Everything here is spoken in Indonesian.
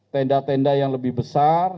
tenda tenda yang lebih besar